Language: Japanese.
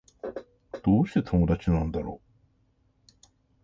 どうして友達なんだろう